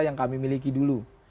yang kami miliki dulu